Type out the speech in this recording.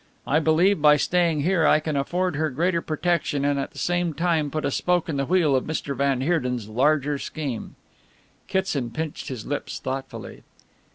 I believe by staying here I can afford her greater protection and at the same time put a spoke in the wheel of Mr. van Heerden's larger scheme." Kitson pinched his lips thoughtfully.